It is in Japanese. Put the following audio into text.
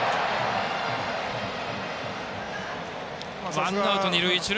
ワンアウト、二塁一塁。